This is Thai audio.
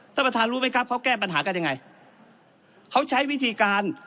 ท่านประธานรู้ไหมครับเขาแก้ปัญหากันยังไงเขาใช้วิธีการ